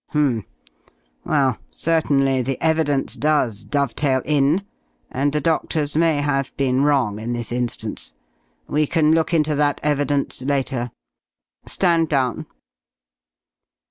"H'm. Well, certainly the evidence does dovetail in, and the doctors may have been wrong in this instance. We can look into that evidence later. Stand down."